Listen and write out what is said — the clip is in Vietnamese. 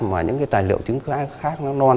mà những cái tài liệu chứng khác nó non